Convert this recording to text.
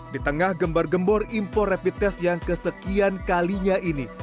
di tengah gembar gembor impor rapid test yang kesekian kalinya ini